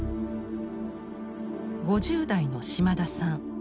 ５０代の島田さん。